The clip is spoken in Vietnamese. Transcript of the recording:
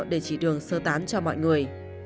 để chỉ đường sơ tán cho mọi người